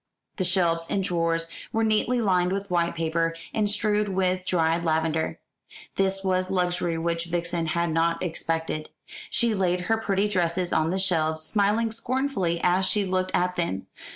The shelves and drawers were neatly lined with white paper, and strewed with dried lavender. This was luxury which Vixen had not expected. She laid her pretty dresses on the shelves, smiling scornfully as she looked at them.